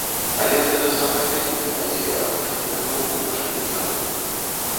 Але гэта самая вялікая падзея апошніх гадоў у нашай літаратуры.